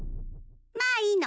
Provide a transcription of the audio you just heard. まあいいの。